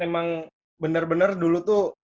emang bener bener dulu tuh